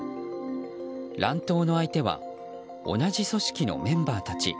乱闘の相手は同じ組織のメンバーたち。